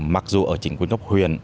mặc dù ở chính quyền gốc huyền